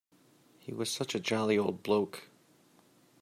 He was such a jolly old bloke.